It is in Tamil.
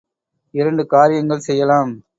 இரண்டு காரியங்கள் செய்யலாம்.